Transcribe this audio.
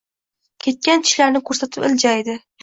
Ketgan tishlarini ko‘rsatib, iljaydi.